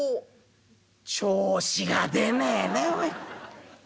「調子が出ねえねおい。